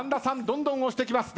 どんどん押してきます。